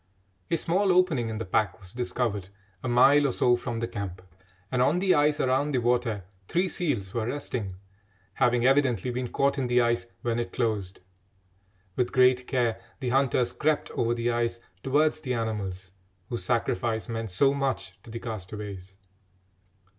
A small opening in the pack was discovered a mile or so from the camp, and on the ice around the water three seals were resting, having evidently been caught in the ice when it closed. With great care the hunters crept over the ice towards the animals, whose sacrifice meant so much to the castaways.